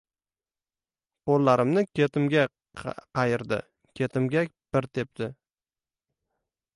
Qo‘llarimni ketimga qayirdi. Ketimga bir tepdi.